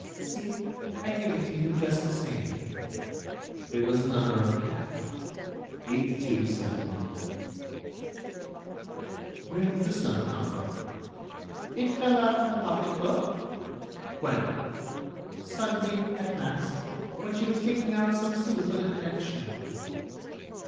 "See, I give it to you just the same." It was the number of a cab—8,279. "Where did this number come from?" "It fell out of her pocketbook." "When?" "Sunday, at mass, when she was taking out some sous for the collection."